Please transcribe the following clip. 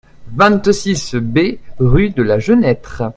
vingt-six B rue de la Genêtre